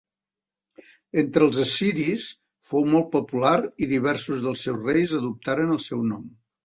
Entre els assiris, fou molt popular i diversos dels seus reis adoptaren el seu nom.